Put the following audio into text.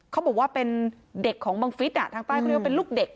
เขาบอกว่าเป็นเด็กของบังฟิศทางใต้เขาเรียกว่าเป็นลูกเด็ก